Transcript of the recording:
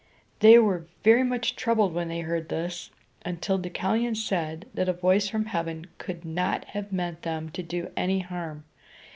They were very much troubled when they heard this, until Deucalion said that a voice from heaven could not have meant them to do any harm.